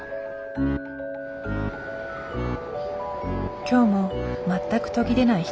今日も全く途切れない人の波。